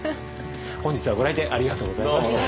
本日はご来店ありがとうございました。